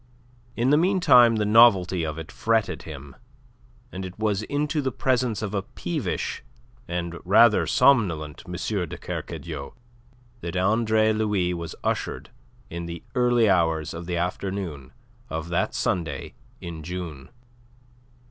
In the meantime the novelty of it fretted him, and it was into the presence of a peevish and rather somnolent M. de Kercadiou that Andre Louis was ushered in the early hours of the afternoon of that Sunday in June.